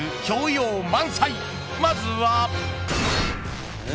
［まずは］